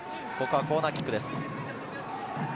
コーナーキックです。